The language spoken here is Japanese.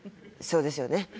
そうですよね。